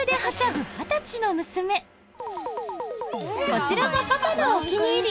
こちらがパパのお気に入り